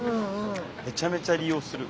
めちゃめちゃ利用する。